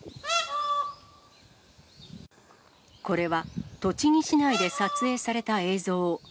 これは栃木市内で撮影された映像。